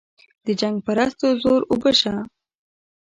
د جنګ پرستو زور اوبه شه.